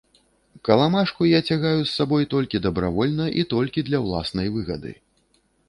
Каламажку я цягаю з сабой толькі дабравольна і толькі для ўласнай выгады.